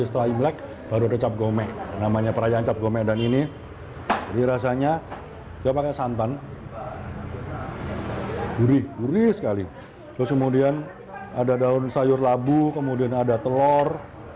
terus kemudian ada daun sayur labu kemudian ada telur